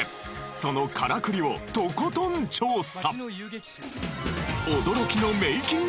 そのからくりをとことん調査！